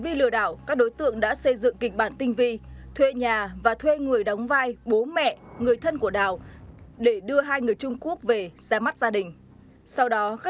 sau đó các đối tượng đã xây dựng kịch bản tinh vi thuê nhà và thuê người đóng vai bố mẹ